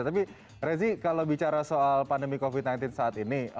tapi rezi kalau bicara soal pandemi covid sembilan belas saat ini